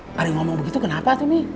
ada yang ngomong begitu kenapa tuh mi